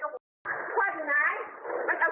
มีส่วนการณึ่งประชิกหัวมาเลย